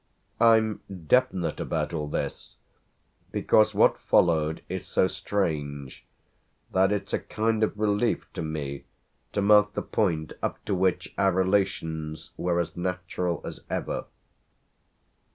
I'm definite about all this because what followed is so strange that it's a kind of relief to me to mark the point up to which our relations were as natural as ever.